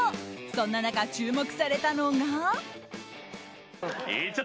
そんな中、注目されたのが。